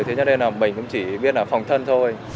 thế cho nên là mình cũng chỉ biết là phòng thân thôi